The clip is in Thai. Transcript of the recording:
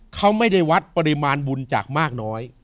เขาไม่ได้วัดปริมาณบุญจากมากน้อย